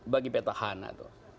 bagi peter hanna